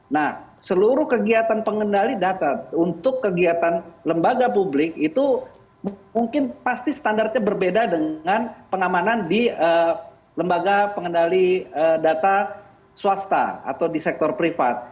nah seluruh kegiatan pengendali data untuk kegiatan lembaga publik itu mungkin pasti standarnya berbeda dengan pengamanan di lembaga pengendali data swasta atau di sektor privat